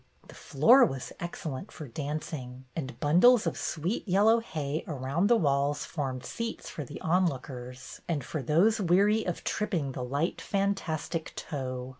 The floor was excellent for dancing, and bundles of sweet yellow hay around the walls formed seats for the onlookers and for those weary of tripping ''the light fantastic toe."